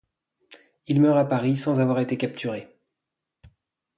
Il meurt à Paris sans avoir été capturé.